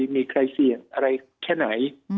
มีใครเสี่ยงอะไรแค่ไหน